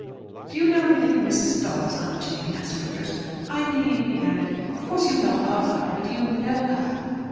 "Do you know anything of Mrs. Dobbs, Aunt Jane?" asked Rivers. "I mean," he added, "of course, you know of her. But do you know her?"